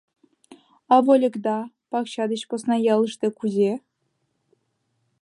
А вольыкда пакча деч посна ялыште кузе?..